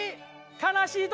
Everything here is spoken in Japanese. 悲しい時。